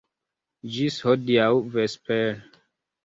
Ĝis hodiaŭ vespere.